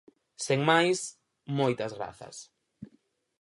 Sen máis, moitas grazas.